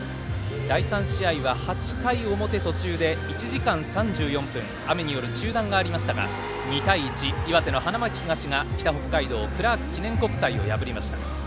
第３試合は８回表、途中で１時間３４分雨による中断がありましたが２対１、岩手の花巻東が北北海道、クラーク記念国際を破りました。